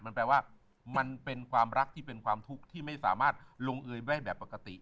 มันแปลว่ามันเป็นความรักที่เป็นความทุกข์ที่ไม่สามารถลงเอยได้แบบปกติ